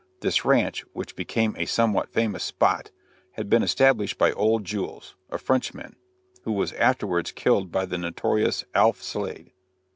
This ranch, which became a somewhat famous spot, had been established by "Old Jules," a Frenchman, who was afterwards killed by the notorious Alf. Slade.